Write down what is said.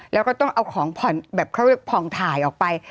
แล้วก็ต้องเอาของผ่องถ่ายออกไป